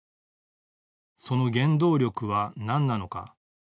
その原動力は何なのか。